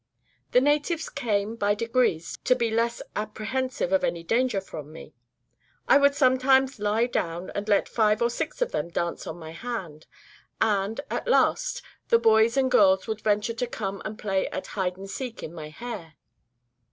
The natives came, by degrees, to be less apprehensive of any danger from me. I would sometimes lie down and let five or six of them dance on my hand; and, at last, the boys and girls would venture to come and play at hide and seek in my hair.